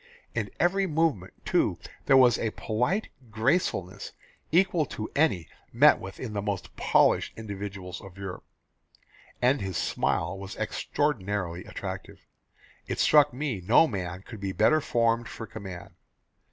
In every movement, too, there was a polite gracefulness equal to any met with in the most polished individuals of Europe, and his smile was extraordinarily attractive. ... It struck me no man could be better formed for command.